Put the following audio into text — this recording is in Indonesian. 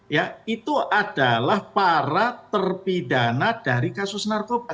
ya itu adalah para terpidana dari kasus narkoba